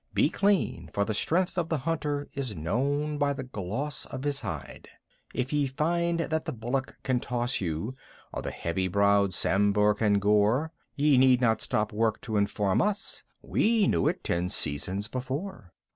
Be clean, for the strength of the hunter is known by the gloss of his hide. If ye find that the Bullock can toss you, or the heavy browed Sambhur can gore; Ye need not stop work to inform us: we knew it ten seasons before.